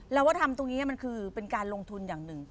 เราว่าทำตรงนี้มันคือเป็นการลงทุนอย่างหนึ่ง